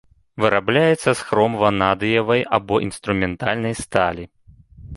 Вырабляецца з хром ванадыевай або інструментальнай сталі.